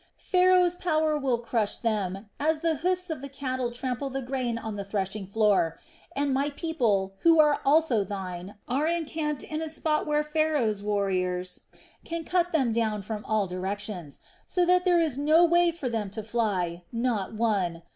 Pharaoh's power will crush them as the hoofs of the cattle trample the grain on the threshing floor. And my people, who are also Thine, are encamped in a spot where Pharaoh's warriors can cut them down from all directions, so that there is no way for them to fly, not one.